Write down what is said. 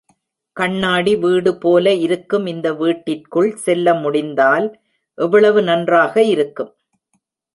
கண்ணாடி வீடு போல இருக்கும் இந்த வீட்டிற்குள் செல்ல முடிந்தால் எவ்வளவு நன்றாக இருக்கும்!